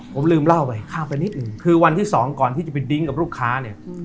ผมลืมเล่าไปข้ามไปนิดหนึ่งคือวันที่สองก่อนที่จะไปดิ้งกับลูกค้าเนี่ย